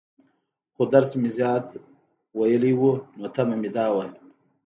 خو درس مې زيات وويلى وو، نو تمه مې دا وه.